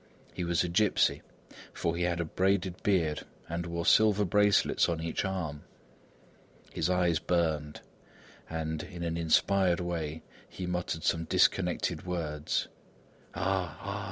He was a gipsy for he had a braided beard and wore silver bracelets on each arm. His eyes burned and, in an inspired way, he muttered some disconnected words: "Ah! Ah!